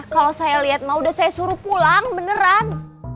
kalau saya liat mah udah saya suruh pulang beneran